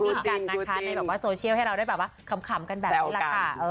คุกกับกินกันนะคะในโซเชียลให้เราด้วยคำกันแบบนี้ละค่ะ